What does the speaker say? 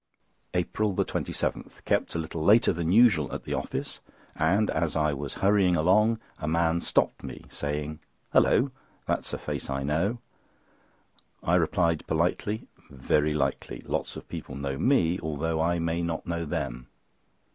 APRIL 27.—Kept a little later than usual at the office, and as I was hurrying along a man stopped me, saying: "Hulloh! That's a face I know." I replied politely: "Very likely; lots of people know me, although I may not know them."